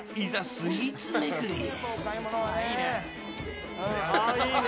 スイーツ巡りへ。